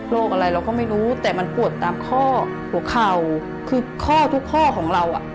อะไรเราก็ไม่รู้แต่มันปวดตามข้อหัวเข่าคือข้อทุกข้อของเราอ่ะ